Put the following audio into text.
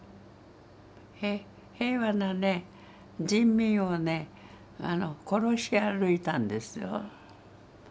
平和なね人民をね殺して歩いたんですよ。